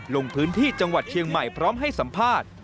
ลงพื้นที่จังหวัดเชียงใหม่พร้อมให้สัมภาษณ์